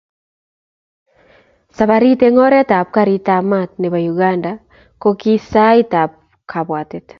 Saparit eng oret ab garit ab mat nebo Uganda kokisait ab kabwatet.